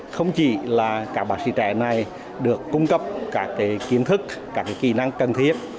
không chỉ là các bác sĩ trẻ này được cung cấp các kiến thức các kỹ năng cần thiết